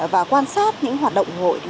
và quan sát những hoạt động hội